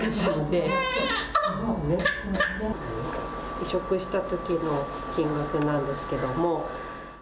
移植したときの金額なんですけど。